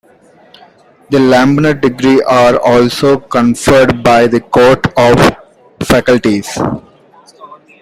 The Lambeth degrees are also conferred by the Court of Faculties.